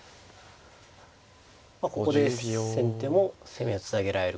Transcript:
ここで先手も攻めをつなげられるか。